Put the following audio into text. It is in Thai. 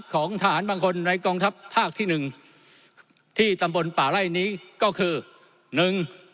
ของทหารบางคนในกองทัพภาคที่๑ที่ตำบลป่าไล่นี้ก็คือ